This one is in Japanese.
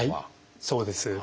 そうです。